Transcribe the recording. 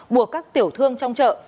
buộc các tiểu thương trong chợ